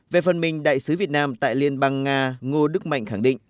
về phần mình đại sứ việt nam tại liên bang nga ngô đức mạnh khẳng định